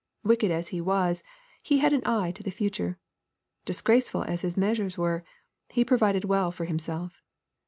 Wicked as he was, he had an eye to the future. Disgraceful as his measures were, he provided well for himself.